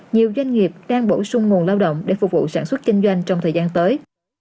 nhiều doanh nghiệp đang bổ sung nguồn lao động để phục vụ sản xuất kinh doanh trong thời gian tới